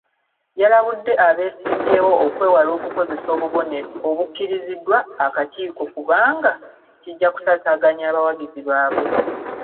Yalabudde abeesimbyewo okwewala okukozesa obubonero obukkiriziddwa akakiiko kubanga kijja kutataaganya abawagizi baabwe.